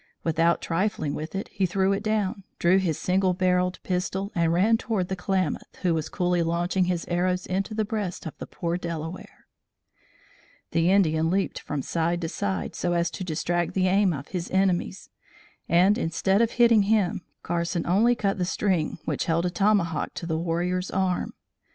Without trifling with it, he threw it down, drew his single barrelled pistol and ran toward the Klamath, who was coolly launching his arrows into the breast of the poor Delaware. The Indian leaped from side to side, so as to distract the aim of his enemies, and, instead of hitting him, Carson only cut the string which held a tomahawk to the warrior's arm.